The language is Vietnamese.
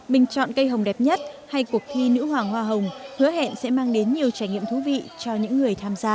bình chọn cây hồng đẹp nhất hay cuộc thi nữ hoàng hoa hồng hứa hẹn sẽ mang đến nhiều trải nghiệm thú vị cho những người tham gia